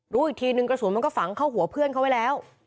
รู้อีกทีนึงกระสุนมันก็ฝังเข้าหัวเพื่อนเขาไว้แล้ว